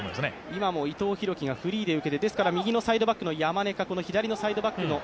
今も伊藤洋輝がフリーで受けて、右のサイドバックの山根か左のサイドバックの